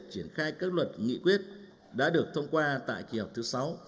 triển khai các luật nghị quyết đã được thông qua tại kỳ họp thứ sáu